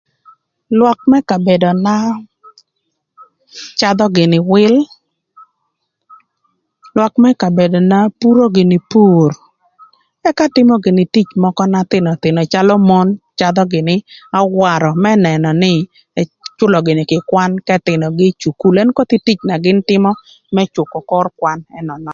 Lwak më kabedona cadhö gïnï wïl, lwak më kabedona puro gïnï pur ëka tïmö gïnï tic mökö na thïnöthïnö na calö mon cadhö gïnï awarö më nënö nï ëcülö gïnɨ kï kwan k'ëthïnögï ï cukul ën koth tic na gïn tïmö më cükö kor kwan ënönön.